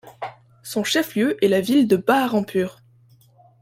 Son chef-lieu est la ville de Baharampur.